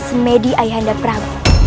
semedi ayhanda prabu